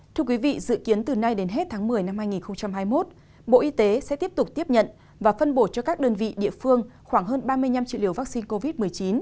thưa quý vị dự kiến từ nay đến hết tháng một mươi năm hai nghìn hai mươi một bộ y tế sẽ tiếp tục tiếp nhận và phân bổ cho các đơn vị địa phương khoảng hơn ba mươi năm triệu liều vaccine covid một mươi chín